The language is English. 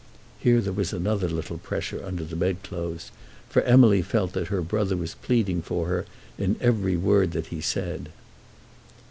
Here there was another little pressure under the bed clothes; for Emily felt that her brother was pleading for her in every word that he said.